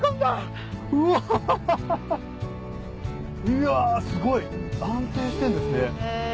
うわすごい安定してんですね。